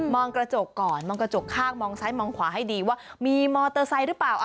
องกระจกก่อนมองกระจกข้างมองซ้ายมองขวาให้ดีว่ามีมอเตอร์ไซค์หรือเปล่า